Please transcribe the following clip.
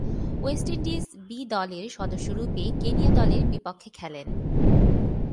West Indies বি-দলের সদস্যরূপে Kenya দলের বিপক্ষে খেলেন।